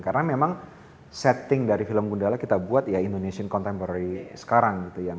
karena memang setting dari film gundala kita buat ya indonesian contemporary sekarang